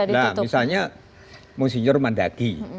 nah misalnya monsignor mandagi